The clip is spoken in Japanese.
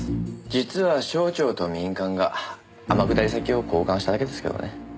実は省庁と民間が天下り先を交換しただけですけどね。